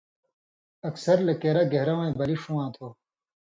اکثر لیکیرہ گھین٘رہ وَیں بلی ݜُون٘واں تھو۔